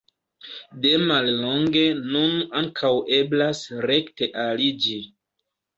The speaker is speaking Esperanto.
De mallonge nun ankaŭ eblas rekte aliĝi.